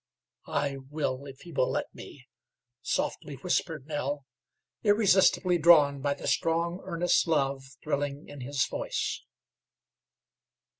"I will, if he will let me," softly whispered Nell, irresistibly drawn by the strong, earnest love thrilling in his voice.